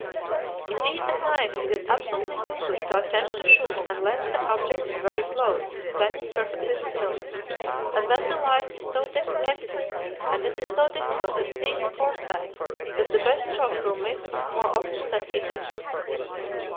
Indeed at night it is absolutely useless to attempt to shoot unless the object is very close and standing perfectly still, and then the light is so deceptive and it is so difficult to see the foresight that the best shot will miss more often than he hits.